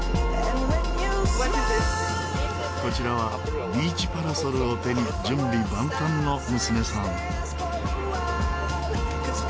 こちらはビーチパラソルを手に準備万端の娘さん。